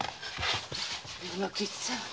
与之吉さん